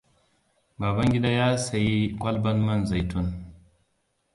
Babangida ya sayi kwalban man zaitun.